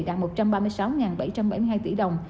đạt một trăm ba mươi sáu bảy trăm bảy mươi hai tỷ đồng